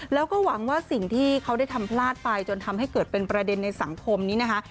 แล้วก็หวังว่าสิ่งที่เขาได้ทำพลาดไปจนทำให้เกิดเป็นประเด็นในสังคมนี้นะคะ